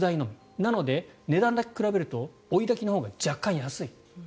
なので値段だけ比べると追いだきのほうが若干、安い。